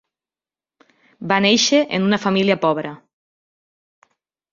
Va néixer en una família pobra.